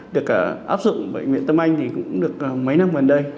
được áp dụng bệnh viện tâm anh thì cũng được mấy năm gần đây